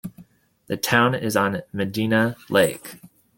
The town is on Medina Lake.